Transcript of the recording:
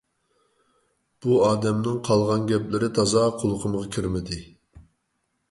بۇ ئادەمنىڭ قالغان گەپلىرى تازا قۇلىقىمغا كىرمىدى.